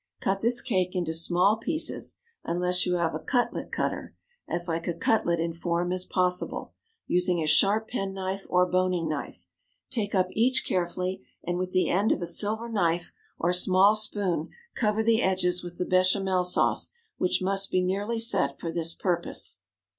Cut this cake into small pieces (unless you have a cutlet cutter), as like a cutlet in form as possible, using a sharp penknife or boning knife. Take up each carefully, and with the end of a silver knife or small spoon cover the edges with the béchamel sauce, which must be nearly set for this purpose.